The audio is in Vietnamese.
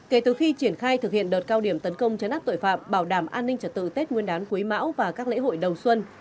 kể từ khi triển khai thực hiện đợt cao điểm tấn công chấn áp tội phạm bảo đảm an ninh trật tự tết nguyên đán quý mão và các lễ hội đầu xuân